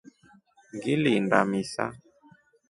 Ngilinda misa.